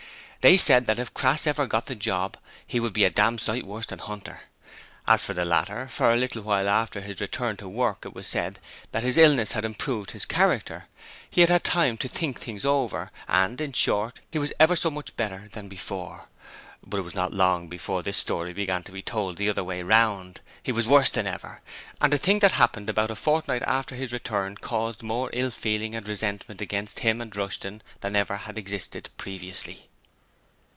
They said that if Crass ever got the job he would be a dam' sight worse than Hunter. As for the latter, for a little while after his return to work it was said that his illness had improved his character: he had had time to think things over; and in short, he was ever so much better than before: but it was not long before this story began to be told the other way round. He was worse than ever! and a thing that happened about a fortnight after his return caused more ill feeling and resentment against him and Rushton than had ever existed previously.